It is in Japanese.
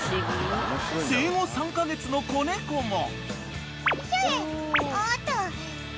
［生後３カ月の子猫も］